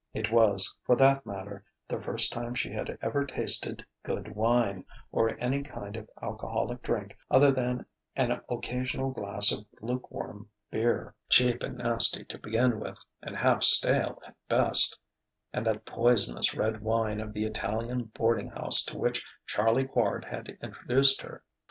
It was, for that matter, the first time she had ever tasted good wine, or any kind of alcoholic drink other than an occasional glass of lukewarm beer, cheap and nasty to begin with and half stale at best, and that poisonous red wine of the Italian boarding house to which Charlie Quard had introduced her.